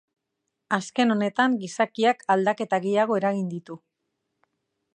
Azken honetan gizakiak aldaketa gehiago eragin ditu.